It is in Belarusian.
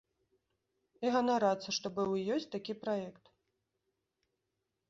І ганарацца, што быў і ёсць такі праект.